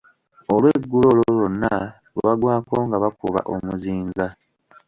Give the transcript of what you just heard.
Olweggulo olwo lwonna lwaggwaako nga bakuba omuzinga.